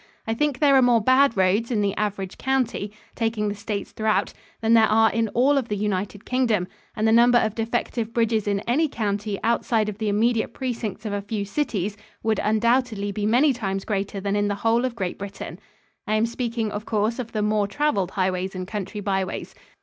I think there are more bad roads in the average county, taking the States throughout, than there are in all of the United Kingdom, and the number of defective bridges in any county outside of the immediate precincts of a few cities, would undoubtedly be many times greater than in the whole of Great Britain. I am speaking, of course, of the more traveled highways and country byways.